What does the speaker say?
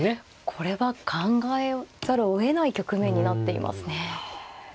これは考えざるをえない局面になっていますね。